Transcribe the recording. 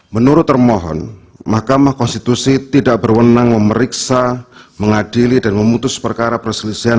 menurut termohon mahkamah konstitusi tidak berwenang memeriksa mengadili dan memutus perkara perselisihan